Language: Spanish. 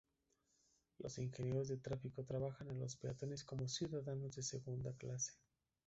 Los ingenieros de tráfico trataban a los peatones como ciudadanos de segunda clase.